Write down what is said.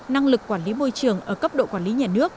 năng lực quản lý môi trường ở cấp độ quản lý nhà nước